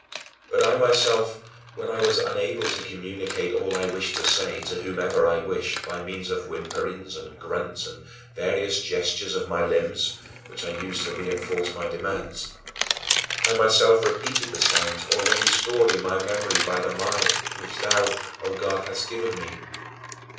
But I myself, when I was unable to communicate all I wished to say to whomever I wished by means of whimperings and grunts and various gestures of my limbs (which I used to reinforce my demands), I myself repeated the sounds already stored in my memory by the mind which thou, O my God, hadst given me.